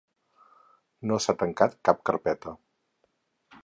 No s’ha tancat cap carpeta.